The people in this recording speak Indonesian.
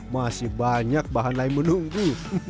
masih banyak bahan lain menunggu